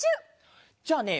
じゃあね